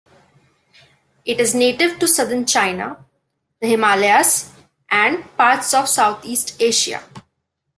It is native to southern China, the Himalayas, and parts of Southeast Asia.